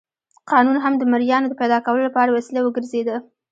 قانون هم د مریانو د پیدا کولو لپاره وسیله وګرځېده.